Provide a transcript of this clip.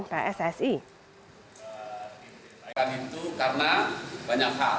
itu karena banyak hal